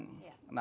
nah itulah makanya